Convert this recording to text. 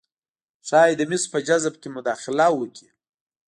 ښايي د مسو په جذب کې مداخله وکړي